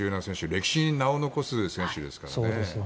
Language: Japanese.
歴史に名を残す選手ですからね。